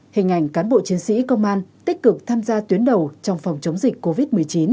hình ảnh cán bộ chiến sĩ công an tích cực tham gia tuyến đầu trong phòng chống dịch covid một mươi chín